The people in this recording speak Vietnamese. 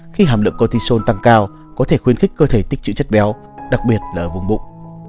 khi hàm lượng cortisol tăng cao có thể khuyến khích cơ thể tích chữ chất béo đặc biệt là ở vùng bụng